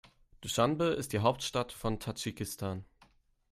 Duschanbe ist die Hauptstadt von Tadschikistan.